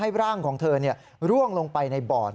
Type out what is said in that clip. ใช่แล้วก็เก๊ก็ขึ้นไปยืนบนขวานั้นพอดี